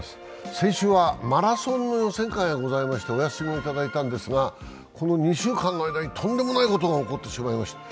先週はマラソンの予選会がございましてお休みをいただいたんですがこの２週間の間にとんでもないことが起こってしまいました。